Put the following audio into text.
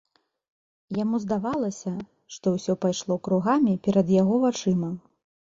Яму здавалася, што ўсё пайшло кругамі перад яго вачыма.